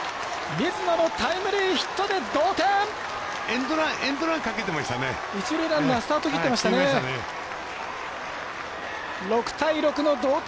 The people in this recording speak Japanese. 水野のタイムリーヒットで同点！